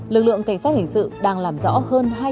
lực lượng cảnh sát hình sự đang làm rõ hơn